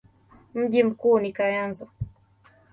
Mji mkuu ni Kayanza.